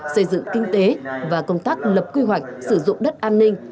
xây dựng kinh tế và công tác lập quy hoạch sử dụng đất an ninh